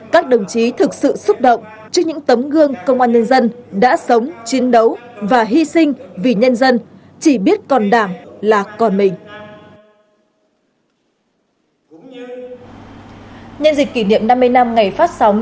các đồng chí thực sự xúc động trước những tấm gương công an nhân dân đã sống chiến đấu và hy sinh vì nhân dân